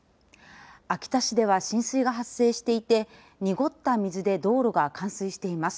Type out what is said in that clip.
秋田市では浸水が発生していて濁った水で道路が冠水しています。